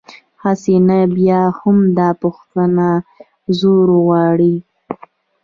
هسې، نه بیا هم، دا پوښتنه زور غواړي.